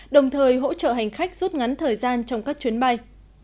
đồng thời hỗ trợ hành khách rút ngắn thời gian trong các chuyến bay